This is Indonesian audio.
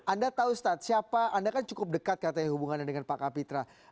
anda tahu ustadz siapa anda kan cukup dekat katanya hubungannya dengan pak kapitra